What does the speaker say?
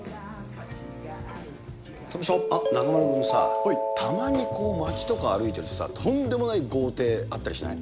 ま中丸君さ、たまに街とか歩いてるとさ、とんでもない豪邸、あったりしない？